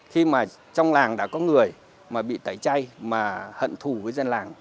khi mà trong làng đã có người mà bị tẩy chay mà hận thù với dân làng